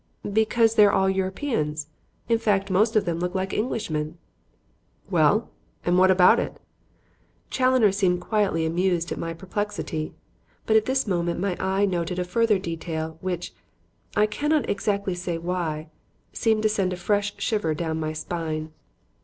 "Because they are all Europeans; in fact, most of them look like Englishmen." "Well? And what about it?" Challoner seemed quietly amused at my perplexity, but at this moment my eye noted a further detail which I cannot exactly say why seemed to send a fresh shiver down my spine.